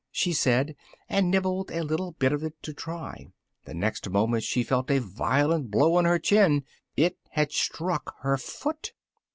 she said, and nibbled a little bit of it to try; the next moment she felt a violent blow on her chin: it had struck her foot!